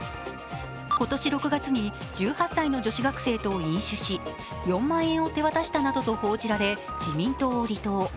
今年６月に１８歳の女子学生と飲酒し４万円を手渡したなどと報じられ自民党を離党。